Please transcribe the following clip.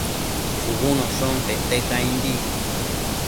shubunoshon pete caimbi